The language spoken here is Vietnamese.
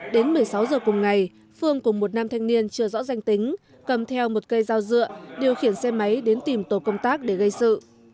đến một mươi sáu giờ cùng ngày phương cùng một nam thanh niên chưa rõ danh tính cầm theo một cây dao dựa điều khiển xe máy đến tìm tổ công tác để gây sự